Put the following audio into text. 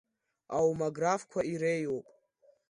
Аомографқәа иреиуоуп…